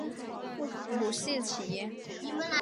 母齐氏。